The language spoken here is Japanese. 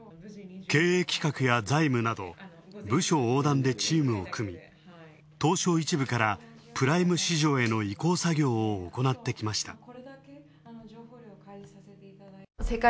経営企画や財務など部署横断でチームを組み東証１部からプライム市場への移行作業を行ってきました。